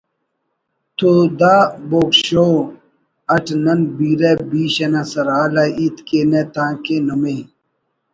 تو دا ”بوگ شو“ اٹ نن بیرہ بیش انا سرحال آ ہیت کینہ تانکہ نمے